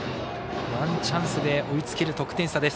ワンチャンスで追いつける得点差。